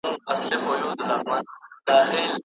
څه شی ستاسې لپاره مهم دي؟